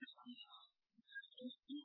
Pierre-Emmanuel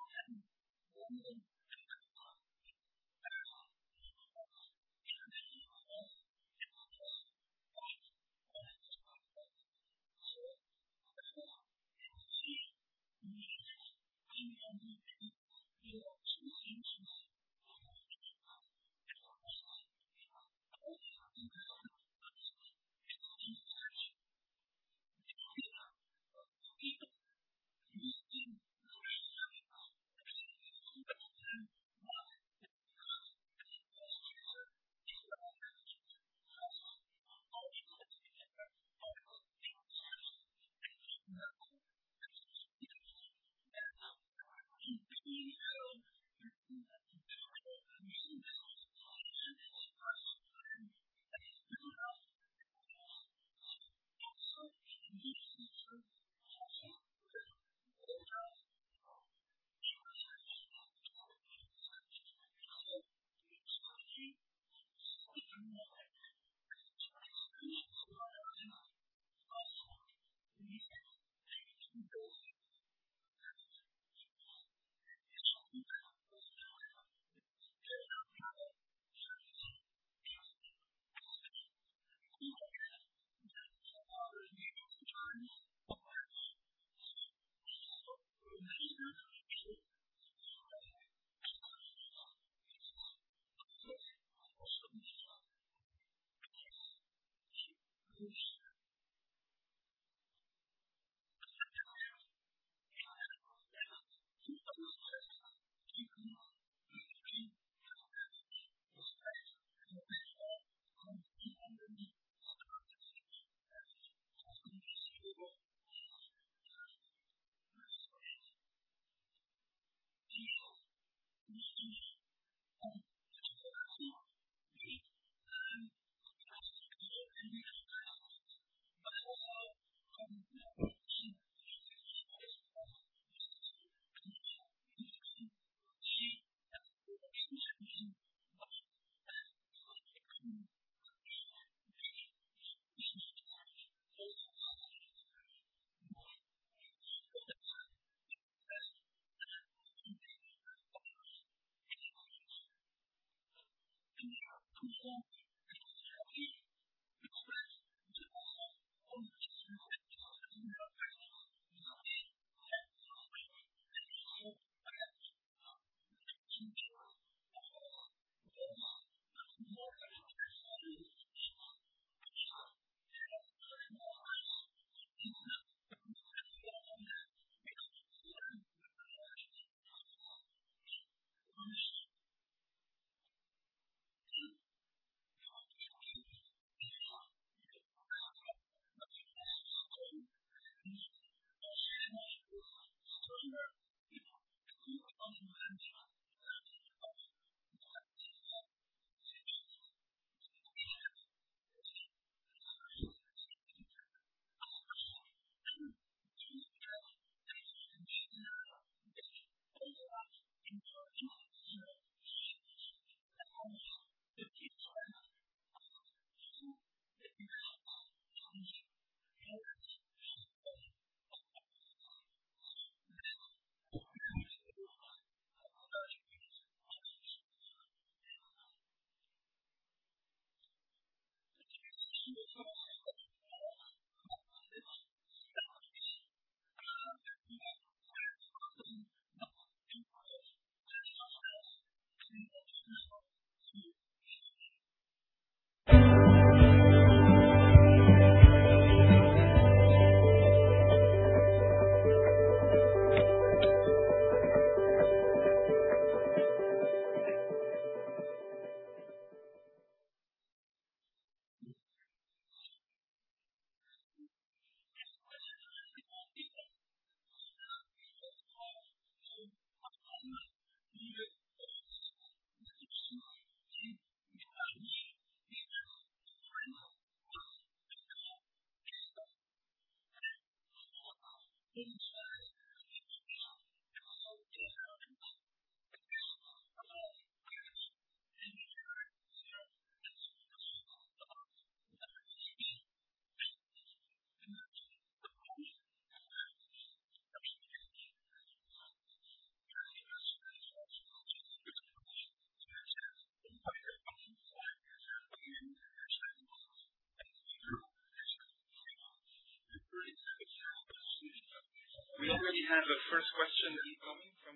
from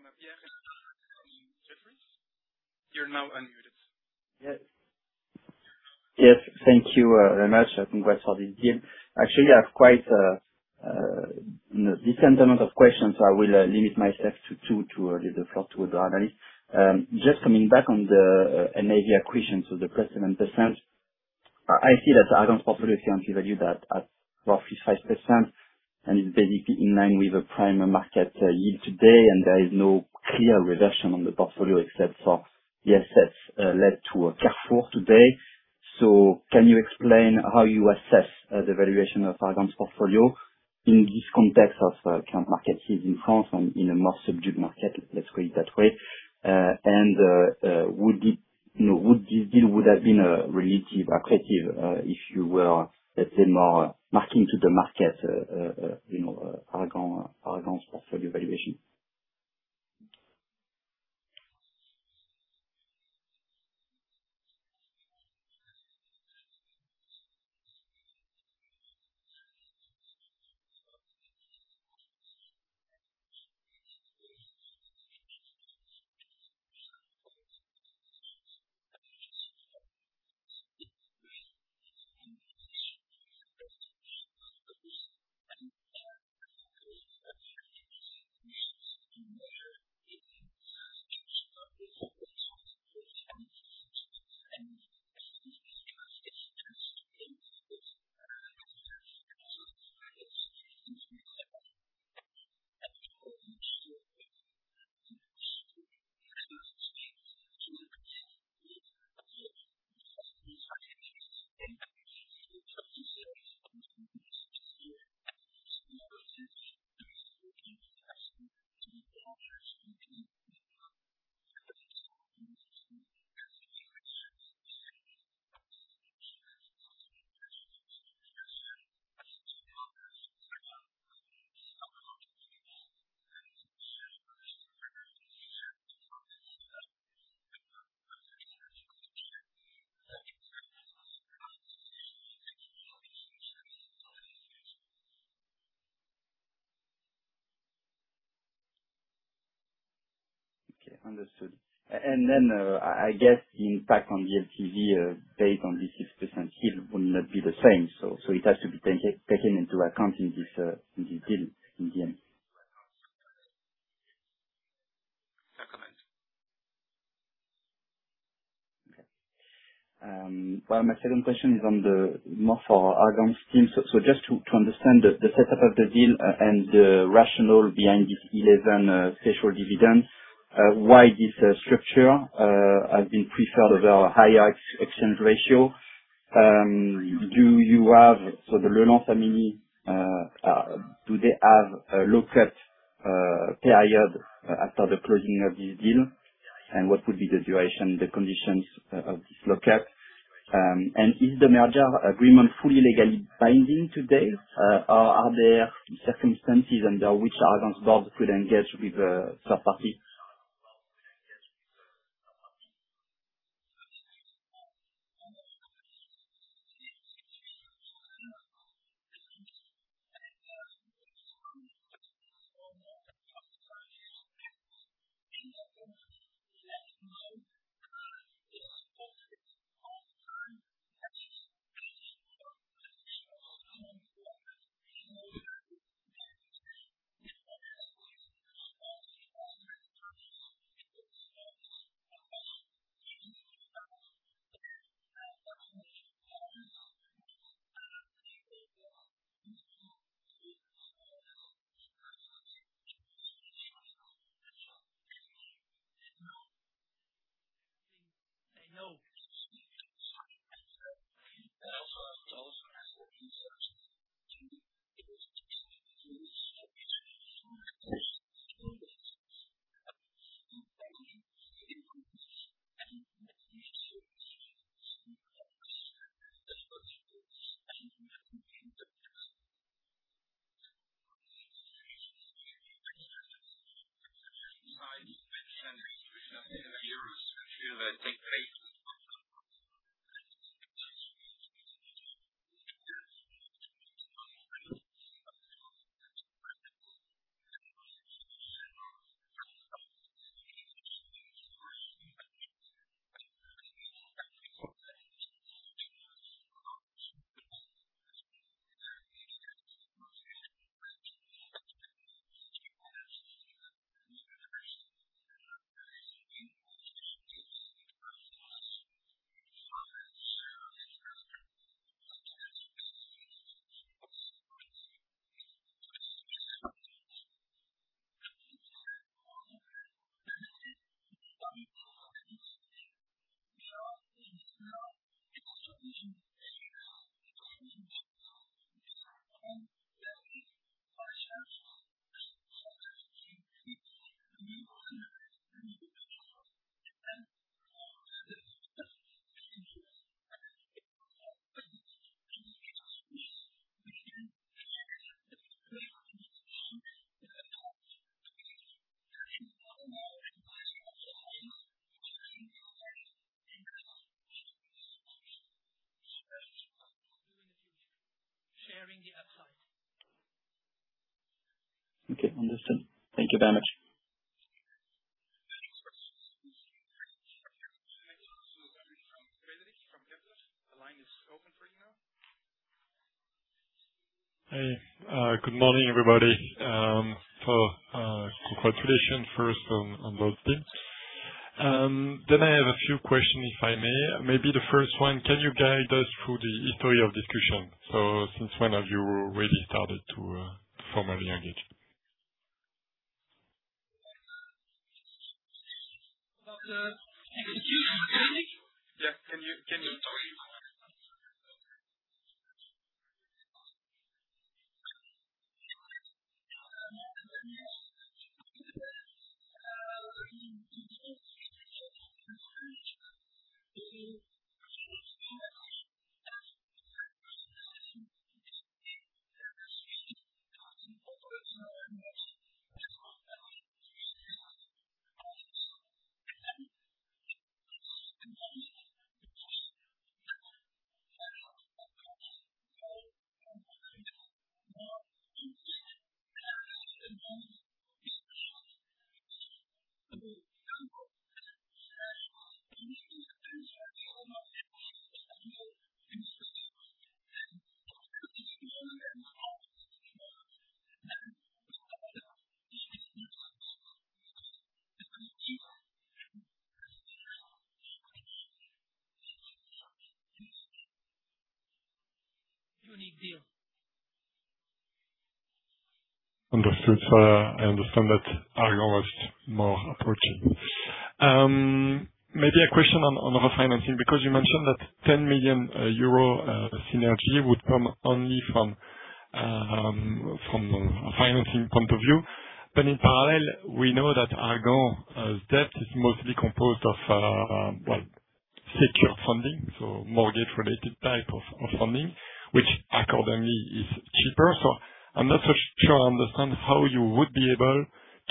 Jefferies. You're now unmuted. Yes. Thank you very much. Congrats on this deal. Actually, I have quite a decent amount of questions, I will limit myself to two to leave the floor to others. Just coming back on the M&A acquisition, the 17%. I see that the Argan portfolio is currently valued at roughly 5% and is basically in line with the primary market yield today, and there is no clear reduction on the portfolio except for the assets led to Carrefour today. Can you explain how you assess the valuation of Argan's portfolio in this context of current market yield in France and in a more subdued market? Let's read that way. Would this deal would have been relatively accretive, if you were a bit more marking to the market Argan's portfolio valuation? why this structure has been preferred over a higher exchange ratio. The Le Lan family, do they have a lockup period after the closing of this deal? What would be the duration, the conditions of this lockup? Is the merger agreement fully legally binding today? Are there circumstances under which Argan's board could engage with a third party? I just, [inaudible] we can say we can speak of both families that there are those founding families who are more than 25 years active in their company. Let it grow, they supported all the time. Selling it, asking for a three or six month blockers has no value. They are there, they ere there, supporters the last 25 years. They will support us. Of course, taking into account their patrimonial values, but they will, let's say, help you to support us. I would say they bring logistics, and About the execution, Frederic? Can you hear me? Can you over walk the history of transaction? The history? History is more than 10 years drinking coffee together, learning to know, to get each other, to understand each other, to really view and see that e have really the same DNA, that we are speaking the same operational language. That is, the real history of the deal happened. At a certain moment, you feel that there is a box go a little bit more concrete. At a certain moment, people ask the other to tango, and yes, you need two to tango, and if somebody asks you to tango, you need to do it. It's never the good moment, an it's always the good moment. We started detail negotiations between the two teams and then realized yesterday evening, we can something unique deal. Understood. I understand that Argan was more approaching. Maybe a question on other financing, because you mentioned that 10 million euro synergy would come only from a financing point of view. In parallel, we know that Argan's debt is mostly composed of secure funding, so mortgage-related type of funding, which accordingly is cheaper. I'm not so sure I understand how you would be able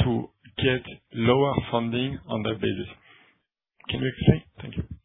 to get lower funding on that basis. Can you explain? Thank you.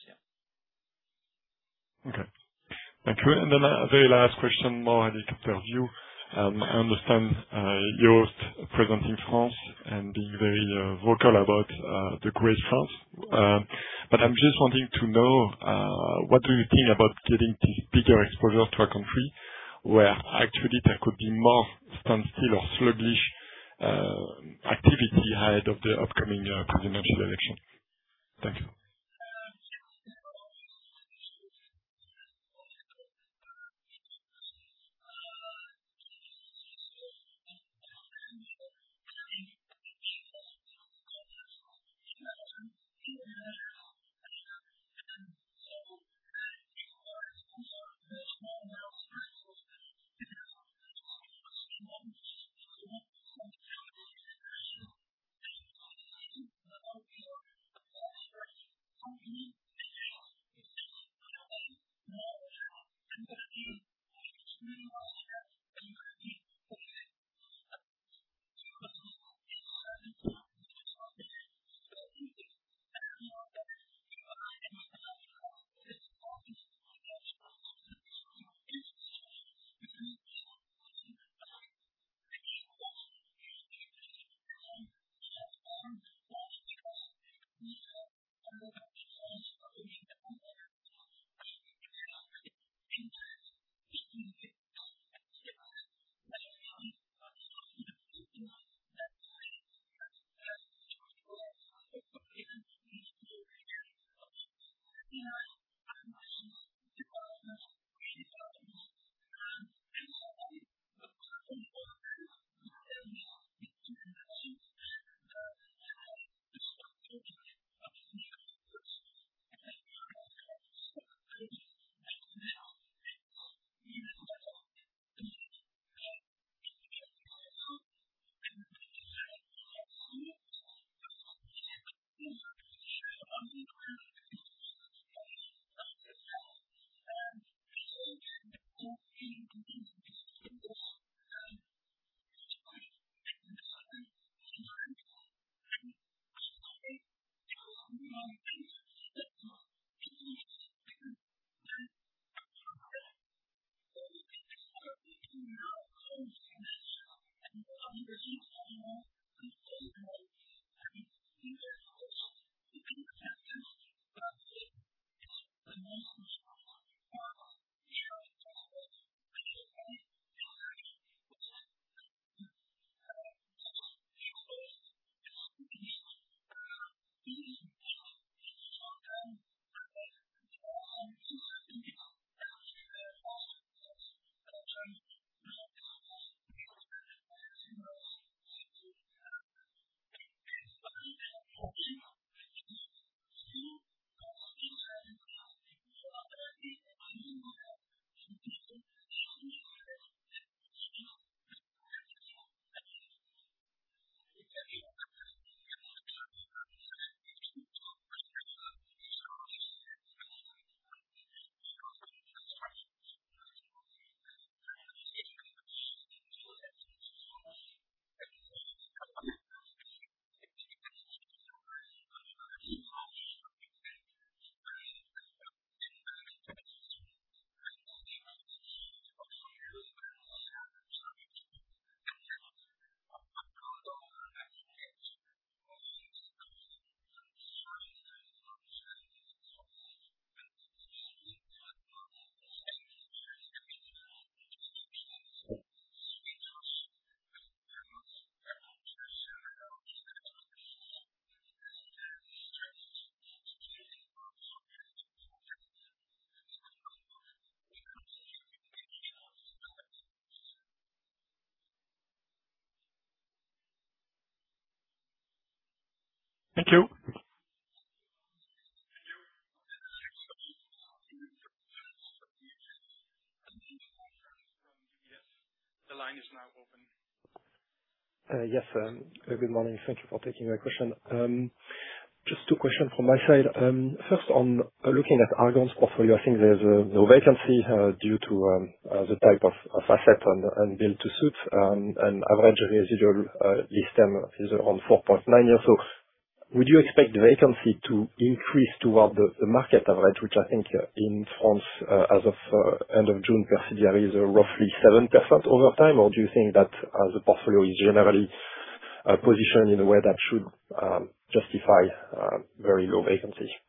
Yes, this is factored in, the performance impact, which is 2%, +1% total and 0.3%. That really factors in the exceptional dividend distributed by Argan prior to closing. Also, by the end of next year, disposals of around 250 million at the group level into this current evaluations, yeah. Okay. Thank you. The very last question, more helicopter view. I understand your presence in France and being very vocal about the Greater France. I'm just wanting to know, what do you think about getting bigger exposure to a country where actually there could be more standstill or sluggish activity ahead of the upcoming presidential election? Thank you. entire shareholders. Thank you. The next question is coming from Charles from UBS. The Line is now open. Yes, good morning. Thank you for taking my question. Just two questions from my side. First on looking at Argan's portfolio, I think there's no vacancy due to the type of asset and build to suit, and average residual lease term is around 4.9 years. Would you expect the vacancy to increase toward the market average, which I think in France as of end of June, per CBRE is roughly 7% over time? Do you think that the portfolio is generally positioned in a way that should justify very low vacancy? Thank you. That's very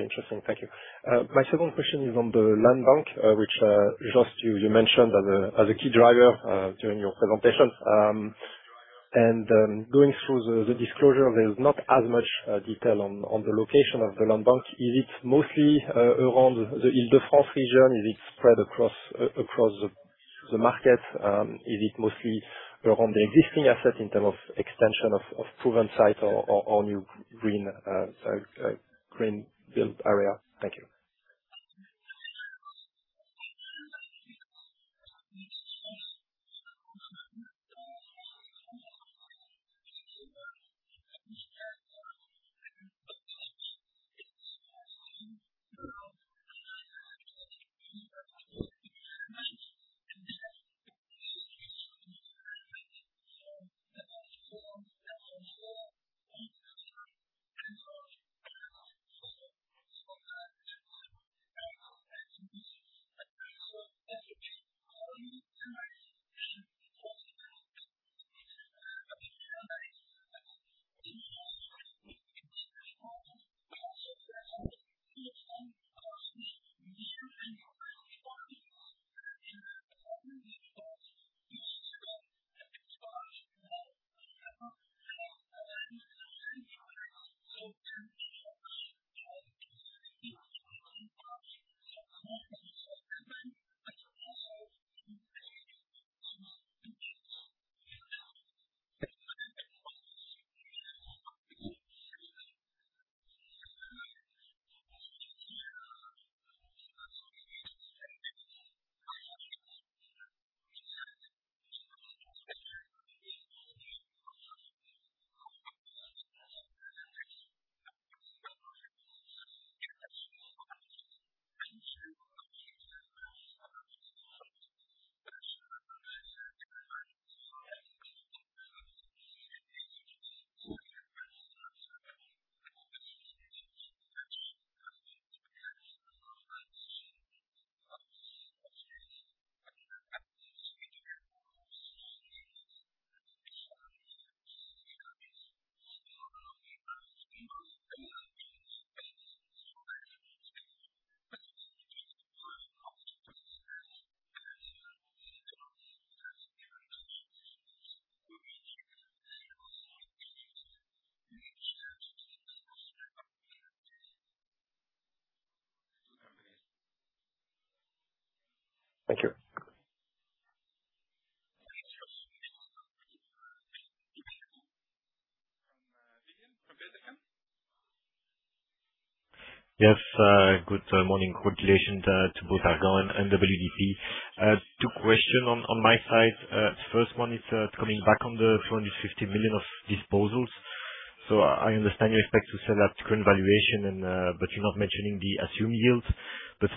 interesting. Thank you. My second question is on the land bank, which, Joost, you mentioned as a key driver during your presentation. Going through the disclosure, there's not as much detail on the location of the land bank. Is it mostly around the Ile-de-France region? Is it spread across the market, is it mostly on the existing assets in terms of extension of proven sites or new green build area? Thank you. let's say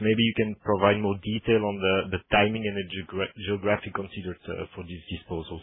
Maybe you can provide more detail on the timing and the geographic considerations for these disposals.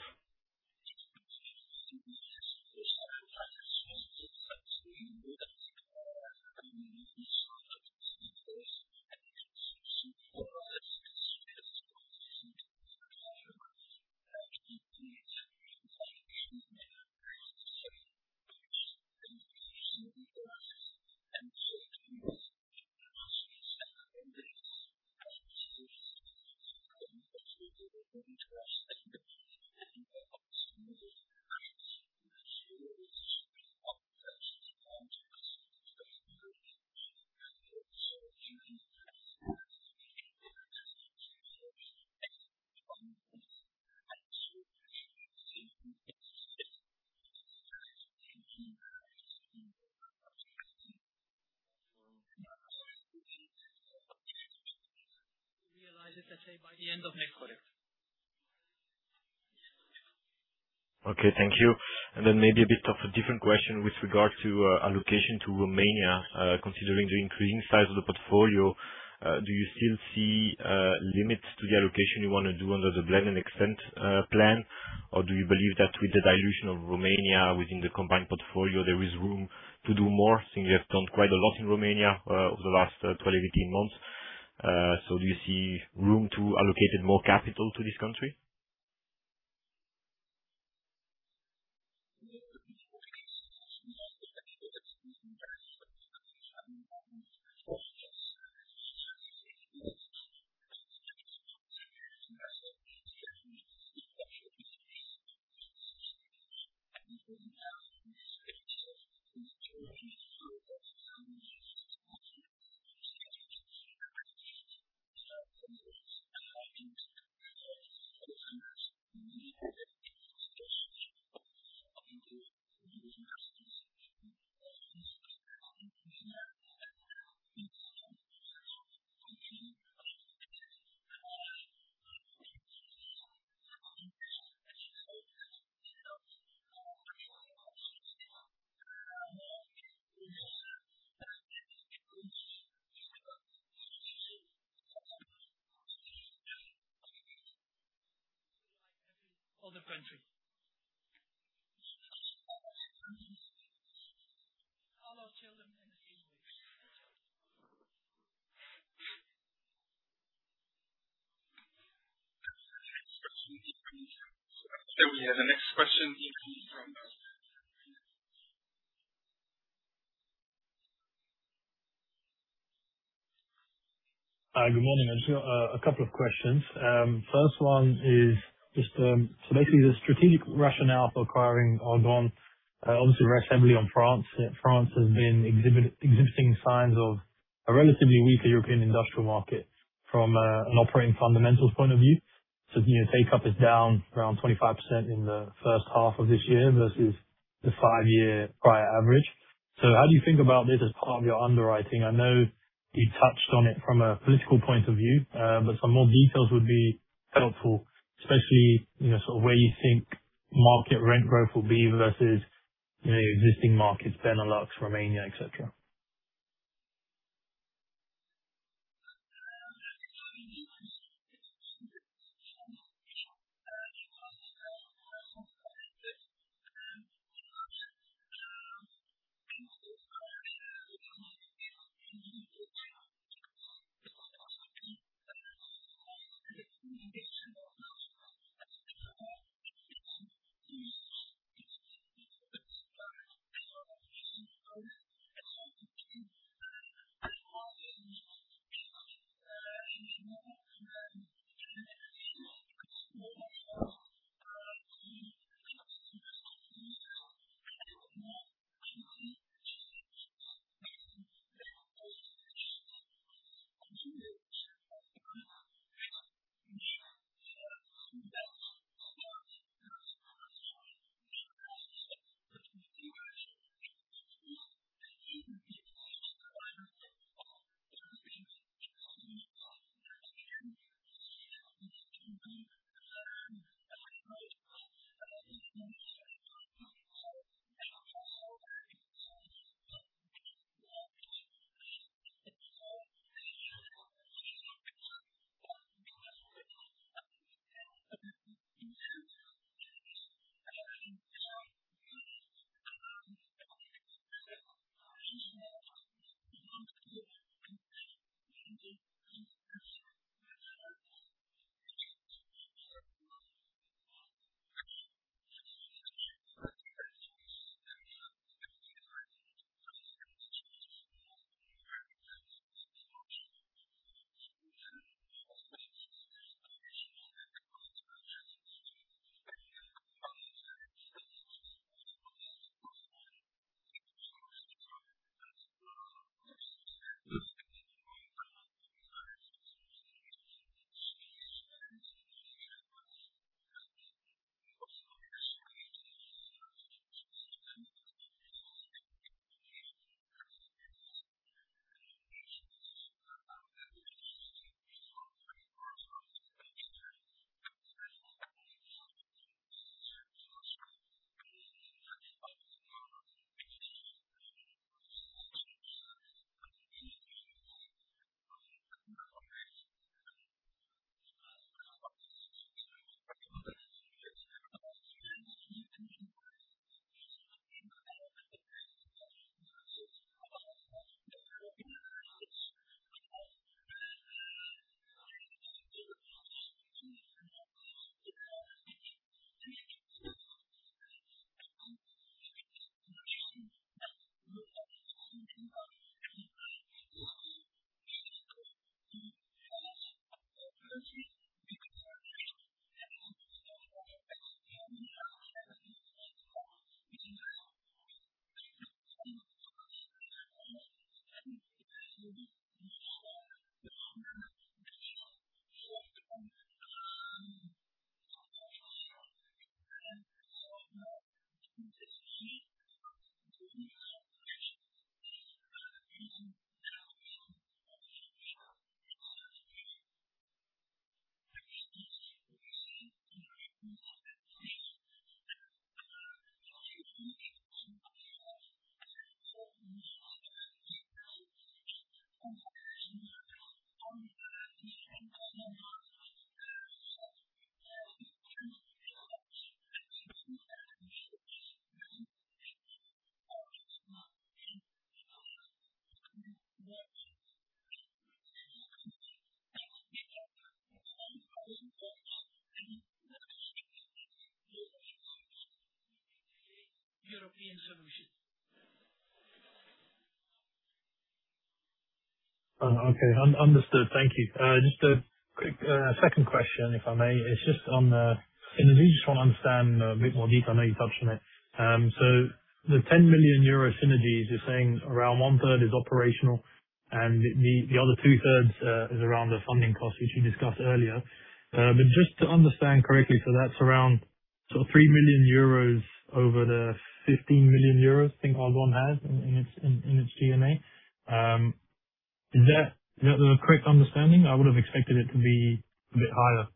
Do you see room to allocate more capital to this country? Okay, because I see an all behind the team. There's Romania, in middle, the developers an investor market dominated by WDP and our colleagues of CTP. In Romania, we anticipate a sort of natural demand coming from the existing tenant base, so that we can further activate the land into two, three developments, and Romania will then take its fair share of the ongoing new investments. We have the next question from [inaudible] Good morning. I just have a couple of questions. First one is basically the strategic rationale for acquiring Argan, obviously, very focused on France. France has been exhibiting signs of a relatively weak European industrial market from an operating fundamentals point of view. New take-up is down around 25% in the first half of this year versus the five-year prior average. How do you think about this as part of your underwriting? I know you touched on it from a political point of view, some more details would be helpful, especially where you think market rent growth will be versus your existing markets, Benelux, Romania, et cetera. Okay, understood. Thank you. Just a quick second question, if I may. It's just on the synergies. Just want to understand a bit more detail. I know you touched on it. The 10 million euro synergies, you're saying around one-third is operational and the other two-thirds is around the funding cost, which you discussed earlier. Just to understand correctly, that's around 3 million euros over the 15 million euros, I think Argan has in its G&A. Is that a correct understanding? I would have expected it to be a bit higher.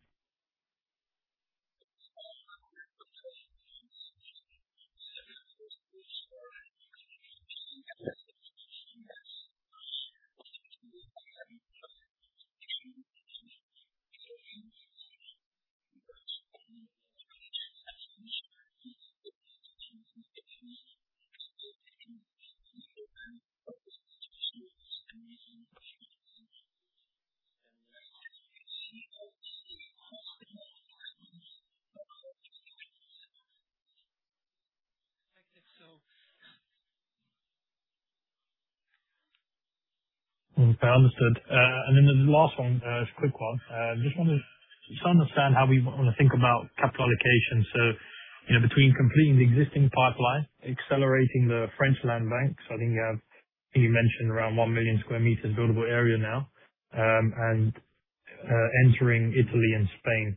Okay, understood. The last one, a quick one. Just want to understand how we want to think about capital allocation. Between completing the existing pipeline, accelerating the French land banks, I think you mentioned around 1 million sq m buildable area now, and entering Italy and Spain.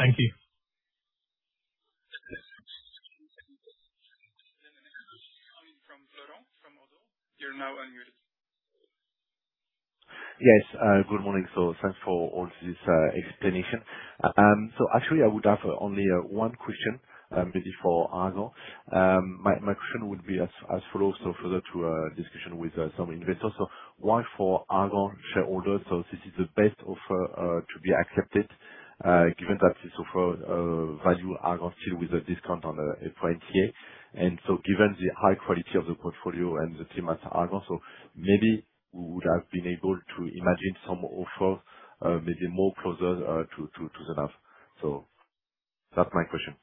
That's clear. Thank you. The next question coming from Florent from ODDO. You're now unmuted. Yes. Good morning. Thanks for all this explanation. Actually, I would have only one question, maybe for Argan. My question would be as follows to a discussion with some investors. Why for Argan shareholders, this is the best offer to be accepted, given that this offer value Argan still with a discount on the NTA. Given the high quality of the portfolio and the team at Argan, maybe we would have been able to imagine some offer, maybe more closer to the NAV. That's my question.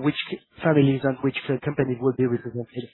Which families and which companies will be represented? Operationally, let's say, the group structure and the group management stay the same.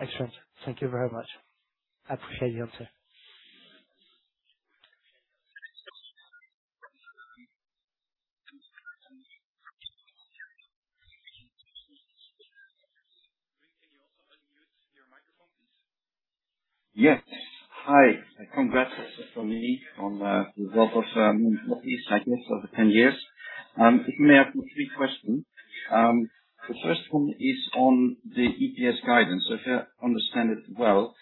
With that the implementation of the board of directors, you mentioned two representatives. I guess, with one, there will be no representative on behalf of the direct, with considering. Excellent. Thank you very much. I appreciate the answer. The next question is now coming from Wim Lewi KBC Securities Can you also unmute your microphone, please? Yes. Hi. Congrats from me on the result of this, I guess, over 10 years. If may I ask you three questions. The first one is on the EPS guidance. If I understand it well,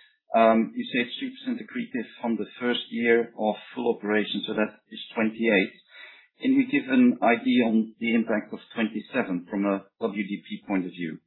you say it is 2% accretive from the first year of full operation, so that is 2028. Can you give an idea on the impact of 2027 from a WDP point of view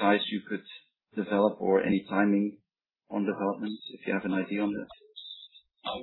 size you could develop or any timing on development, if you have an idea on that?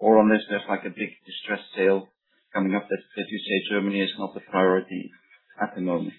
Or unless there is like a big distressed sale coming up that you say Germany is not the priority at the moment.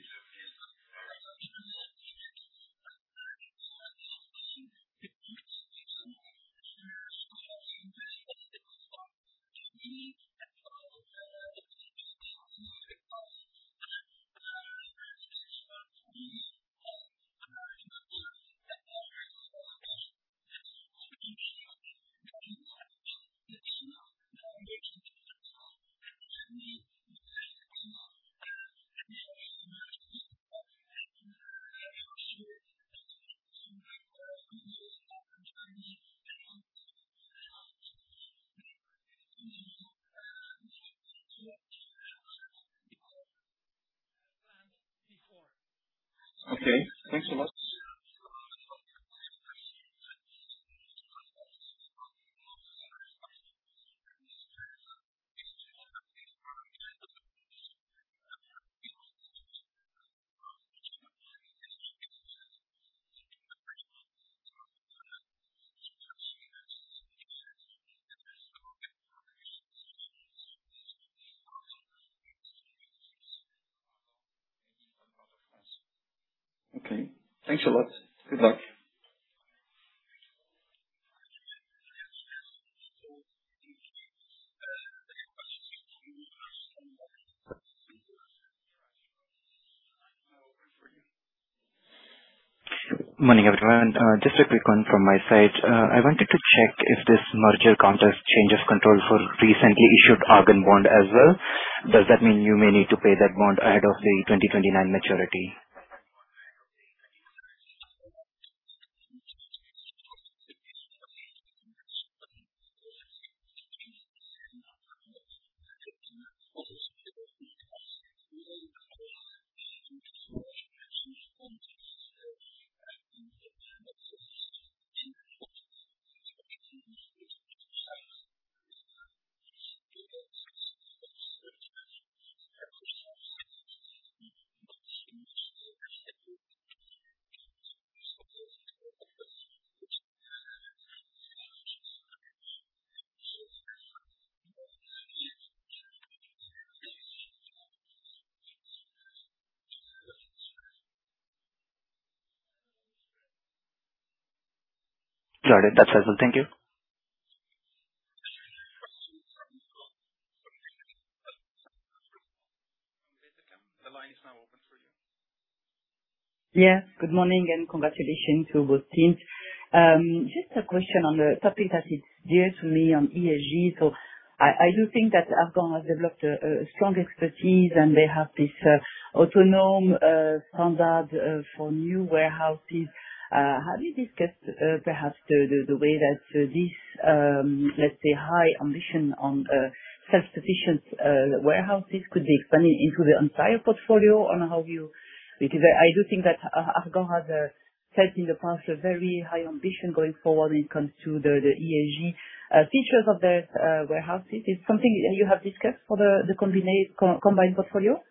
The Argan 2026 bond will be paid after completion of the merger accord that is scheduled in 2026, and the Argan 2029 bonds, we do not need to ask approval, but there is, due to the merger, a change of control option they could exercise, which is at the their discretion, of course. But the indicators are similar to the bonds in which we have, and get in return exposures to a company which have a rating of three notches higher, and also we have more sufficient liquidity and access to liquidity sources, even at a lower spread. Got it. That's all. Thank you. The final question is from [Amal] from [inaudible] The line is now open for you. Good morning, and congratulations to both teams. Just a question on the topic that is dear to me on ESG. I do think that Argan has developed a strong expertise, and they have this Autonome standard for new warehouses. How do you discuss perhaps the way that this, let's say, high ambition on self-sufficient warehouses could be expanded into the entire portfolio? I do think that Argan has set in the past a very high ambition going forward when it comes to the ESG features of their warehouses. Is this something you have discussed for the combined portfolio?